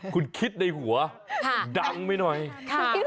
คุณชัยเจ็ด